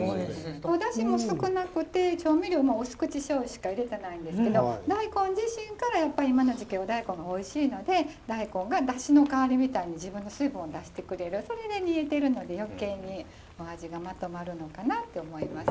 お出汁も少なくて調味料も薄口しょう油しか入れてないんですけど大根自身からやっぱり今の時期お大根がおいしいので大根が出汁の代わりみたいに自分の水分を出してくれるそれで煮えてるので余計にお味がまとまるのかなって思います。